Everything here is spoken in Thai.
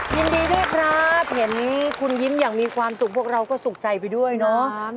ยินดีด้วยครับเห็นคุณยิ้มอย่างมีความสุขพวกเราก็สุขใจไปด้วยเนาะ